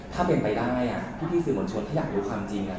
ถ้าเป็นไปได้อ่ะพี่พี่ซื้อหมวนชนถ้าอยากรู้ความจริงอ่ะ